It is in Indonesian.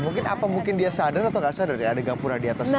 mungkin apa mungkin dia sadar atau nggak sadar ya ada gampura di atas sana